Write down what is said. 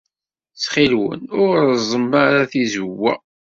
Ttxil-wen, ur reẓẓem ara tizewwa.